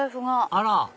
あら！